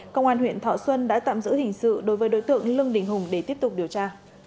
công an huyện thọ xuân đã tạm giữ hình sự đối với đối tượng lương đình hùng để tiếp tục điều tra